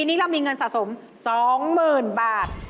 นี่เรามีเงินสะสม๒๐๐๐๐บาท